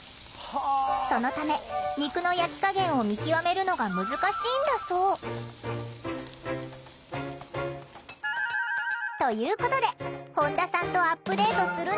そのため肉の焼き加減を見極めるのが難しいんだそう。ということで本田さんとアップデートするのは。